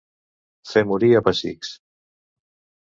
Fer morir a pessics.